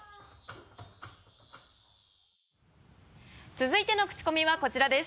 続いてのクチコミはこちらです。